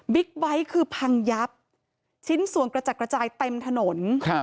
บิ๊กไบท์คือพังยับชิ้นส่วนกระจักกระจายเต็มถนน